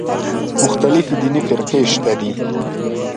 مختلفې دیني فرقې شته دي.